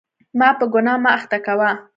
ما په ګناه مه اخته کوه.